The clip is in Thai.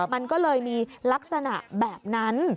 มันก็เลยมีลักษณะแบบนั้น